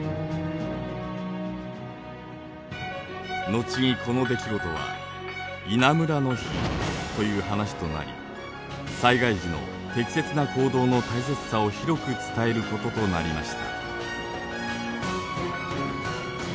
後にこの出来事は「稲むらの火」という話となり災害時の適切な行動の大切さを広く伝えることとなりました。